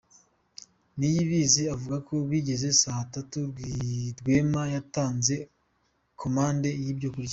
Niyibizi avuga ko bigeze saa tatu Rwema yatanze komande y’ ibyo kurya.